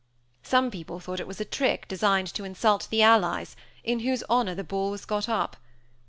Some people thought it was a trick designed to insult the Allies, in whose honor the ball was got up.